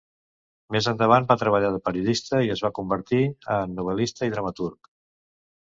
Més endavant va treballar de periodista i es va convertir en novel·lista i dramaturg.